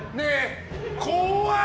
怖い！